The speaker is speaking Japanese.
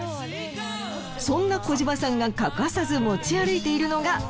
そんな小島さんが欠かさず持ち歩いているのが。